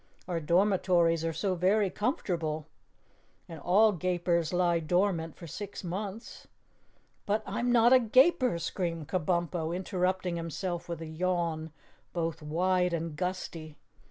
Our dormitories are so very comfortable, and all Gapers lie dormant for six months!" "But I'm not a GAPER," screamed Kabumpo, interrupting himself with a yawn both wide and gusty.